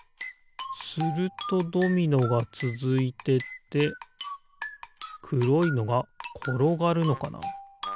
するとドミノがつづいてってくろいのがころがるのかな。